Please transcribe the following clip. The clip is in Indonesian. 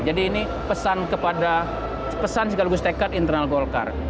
jadi ini pesan sekaligus tekad internal golkar